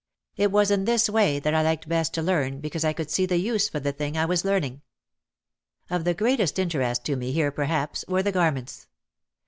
It was in this way that I liked best to learn because I could see the use for the thing I was learning. Of the greatest interest to me here perhaps were the garments.